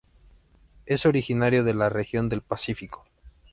Es originario de la región del Pacífico.